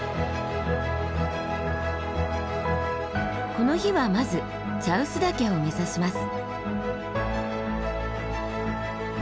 この日はまず茶臼岳を目指します。